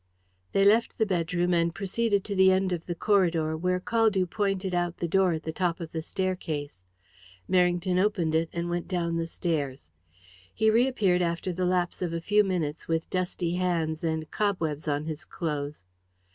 They left the bedroom and proceeded to the end of the corridor, where Caldew pointed out the door at the top of the staircase. Merrington opened it, and went down the stairs. He reappeared after the lapse of a few minutes with dusty hands and cobwebs on his clothes.